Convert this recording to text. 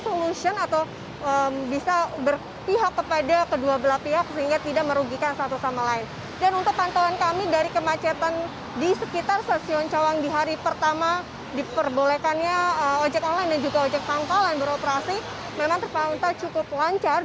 bolehkannya ojek online dan juga ojek tangkal yang beroperasi memang terpauta cukup lancar